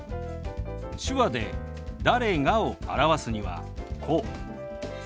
手話で「誰が」を表すにはこう。